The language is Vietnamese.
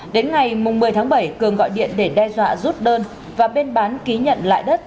đến ngày một mươi tháng bảy cường gọi điện để đe dọa rút đơn và bên bán ký nhận lại đất